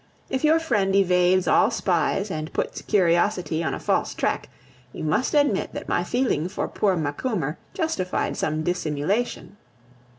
If your friend evades all spies and puts curiosity on a false track, you must admit that my feeling for poor Macumer justified some dissimulation.